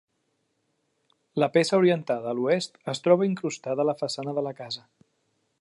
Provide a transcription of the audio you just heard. La peça orientada a l'oest es troba incrustada a la façana de la casa.